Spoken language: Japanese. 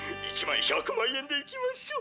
１まい１００万円でいきましょ！」。